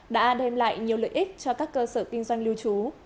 đã đem lại nhiều lợi ích cho các cơ sở kinh doanh lưu trú